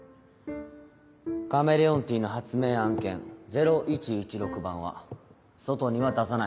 カメレオンティーの発明案件０１１６番は外には出さない。